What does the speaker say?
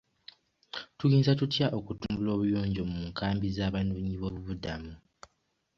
Tuyinza tutya okutumbula obuyonjo mu nkambi z'abanoonyi b'obubuddamu?